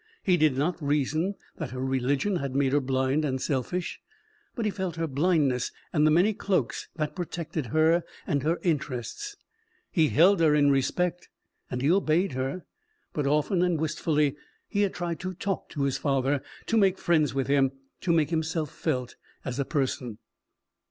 He did not reason that her religion had made her blind and selfish, but he felt her blindness and the many cloaks that protected her and her interests. He held her in respect and he obeyed her. But often and wistfully he had tried to talk to his father, to make friends with him, to make himself felt as a person.